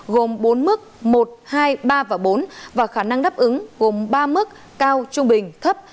gồm bốn mức một hai ba và bốn và khả năng đáp ứng gồm ba mức cao trung bình thấp